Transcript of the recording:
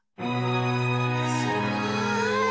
すごい！